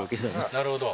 なるほど。